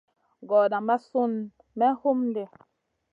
Gordaa maʼa Sun me homdi.